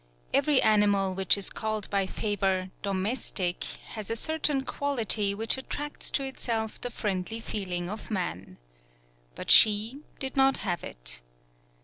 Every animal which is called by favor domestic has a cer tain quality which attracts to itself the friendly feeling of man. But she did not have it.